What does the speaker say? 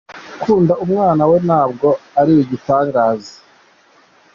Gukunda umwana we ntabwo ari igitangazaaaaaaaaa.